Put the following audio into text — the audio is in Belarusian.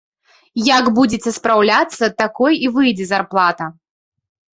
Як будзеце спраўляцца, такой і выйдзе зарплата.